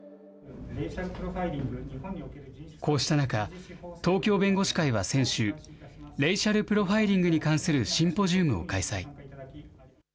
こうした中、東京弁護士会は先週、レイシャルプロファイリングに関するシンポジウムを開催。